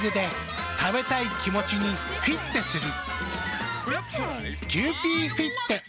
食べたい気持ちにフィッテする。